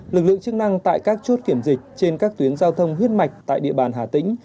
lực lượng chức năng tại các chốt kiểm dịch trên các tuyến giao thông huyết mạch tại địa bàn hà tĩnh